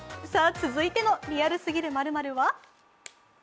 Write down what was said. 続いてのリアルすぎる○○は？